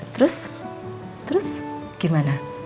terus terus gimana